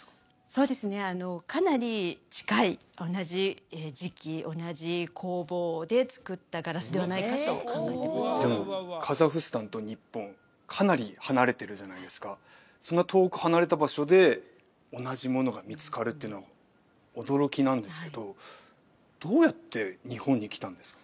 そうですねかなり近いで作ったガラスではないかと考えてますでもカザフスタンと日本かなり離れてるじゃないですかそんな遠く離れた場所で同じものが見つかるっていうのが驚きなんですけどどうやって日本に来たんですか？